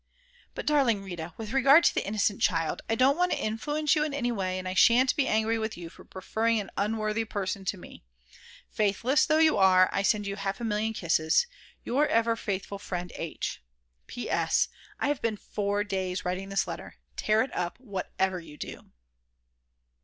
But darling Rita, with regard to the "innocent child," I don't want to influence you in any way, and I shan't be angry with you for preferring an unworthy person to me!!! Faithless though you are, I send you half a million kisses, your ever faithful friend, H. P.S. I have been 4 days writing this letter; tear it up, whatever you do!!!